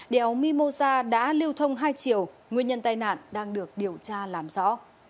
đèo mimosa đã lưu thông hai chiều nguyên nhân tai nạn đang được điều tra làm rõ